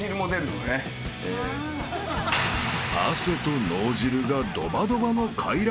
［汗と脳汁がドバドバの快楽